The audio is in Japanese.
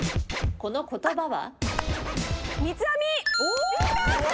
この言葉は？